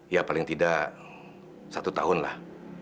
ya paling tidak satu tahunlah